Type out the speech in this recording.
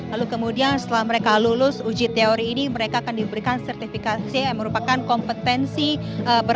lalu kemudian setelah mereka lulus uji teori ini mereka akan diberikan sertifikasi yang merupakan kompetensi